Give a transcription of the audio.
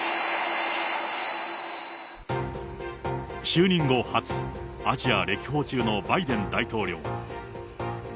就任後初、アジア歴訪中のバイデン大統領。